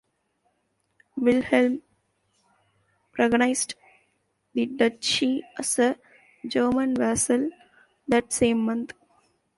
Wilhelm recognised the duchy as a German vassal that same month.